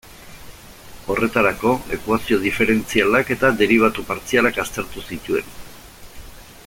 Horretarako, ekuazio diferentzialak eta deribatu partzialak aztertu zituen.